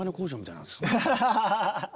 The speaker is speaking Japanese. ハハハハハ！